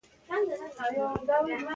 د ورزش ډول د فایبرونو ډول پورې تړاو لري.